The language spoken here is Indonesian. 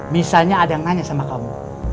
misalnya ada yang nanya sama kamu